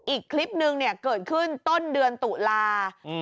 อีกคลิปนึงเนี่ยเกิดขึ้นต้นเดือนตุลา